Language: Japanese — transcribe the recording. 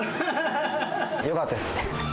よかったです。